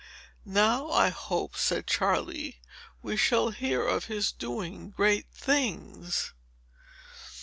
"Now, I hope," said Charley, "we shall hear of his doing great things."